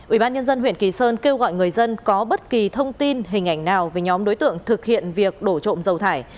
ubnd huyện kỳ sơn kêu gọi người dân có bất kỳ thông tin hình ảnh nào về nhóm đối tượng thực hiện việc đổ trộm dầu thải